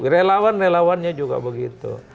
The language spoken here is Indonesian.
relawan relawannya juga begitu